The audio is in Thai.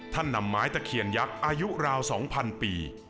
นำไม้ตะเคียนยักษ์อายุราว๒๐๐ปี